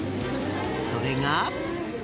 それが。